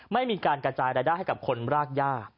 ไม่มีการกระจายรายได้ให้กับคนรากย่า